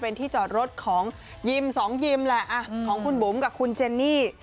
เป็นที่จอดรถของยิมสองยิมแหละของคุณบุ๋มกับคุณเจนนี่